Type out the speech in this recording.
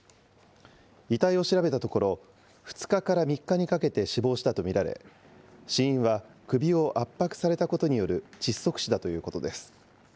遺体を調べたところ、２日から３日にかけて死亡したと見られ、死因は首を圧迫されたことによる窒息死だということです。